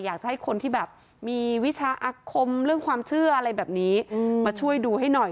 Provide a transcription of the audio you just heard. อยากจะให้คนที่แบบมีวิชาอาคมเรื่องความเชื่ออะไรแบบนี้มาช่วยดูให้หน่อย